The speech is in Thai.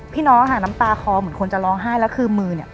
น้องค่ะน้ำตาคอเหมือนคนจะร้องไห้แล้วคือมือเนี่ย